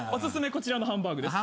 こちらのハンバーグです。